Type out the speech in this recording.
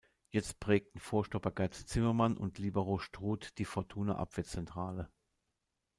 Jetzt prägten Vorstopper Gerd Zimmermann und Libero Struth die Fortuna-Abwehrzentrale.